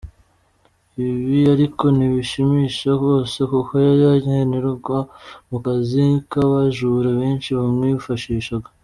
Ibi ariko ntibishimisha bose kuko yari nkenerwa mu kazi k’abajura benshi bamwifashishaga.